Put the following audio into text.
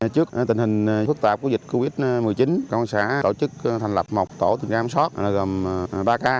trước tình hình phức tạp của dịch covid một mươi chín công an xã đã tổ chức thành lập một tổ kiểm soát gồm ba ca